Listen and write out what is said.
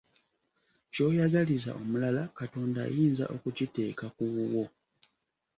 Ky'oyagaliza omulala Katonda ayinza okukiteeka ku wuwo.